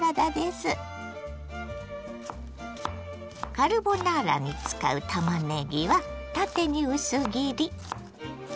カルボナーラに使うたまねぎは縦に薄切り。